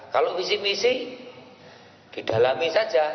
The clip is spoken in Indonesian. kalau visi misi didalami saja